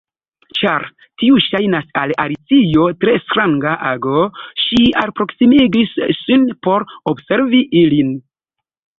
Ĉar tio ŝajnis al Alicio tre stranga ago, ŝi alproksimigis sin por observi ilin.